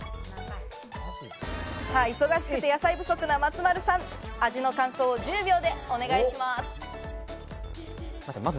忙しくて野菜不足な松丸さん、味の感想を１０秒でお願いします。